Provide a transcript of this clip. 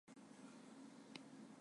便于阅读